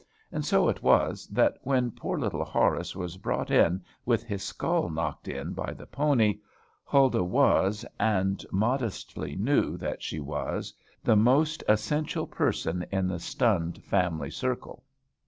And so it was, that, when poor little Horace was brought in with his skull knocked in by the pony, Huldah was and modestly knew that she was the most essential person in the stunned family circle.